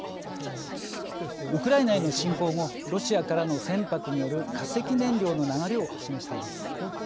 ウクライナへの侵攻後ロシアからの船舶による化石燃料の流れを示しています。